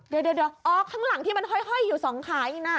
เดี๋ยวอ๋อข้างหลังที่มันห้อยอยู่สองขาอีกนะ